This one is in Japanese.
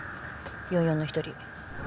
４４の一人。